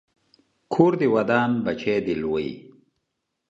کور دې ودان، بچی دې لوی